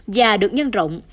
và được nhân rộng